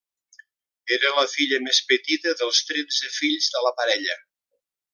Era la filla més petita dels tretze fills de la parella.